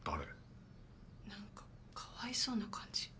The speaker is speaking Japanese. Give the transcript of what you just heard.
・何かかわいそうな感じ。